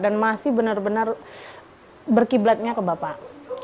dan masih benar benar berkiblatnya ke bapak